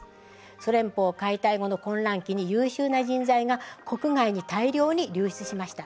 ソ連邦解体後の混乱期に優秀な人材が国外に大量に流出しました。